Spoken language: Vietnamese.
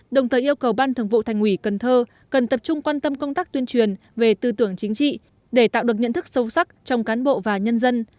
đồng thời yêu cầu ban thường vụ thành ủy cần thơ cần tập trung quan tâm công tác tuyên truyền về tư tưởng chính trị để tạo được nhận thức sâu sắc trong cán bộ và nhân dân